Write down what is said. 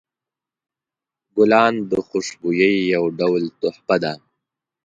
ګلان د خوشبویۍ یو ډول تحفه ده.